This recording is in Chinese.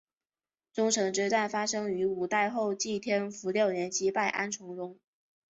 宗城之战发生于五代后晋天福六年击败安重荣。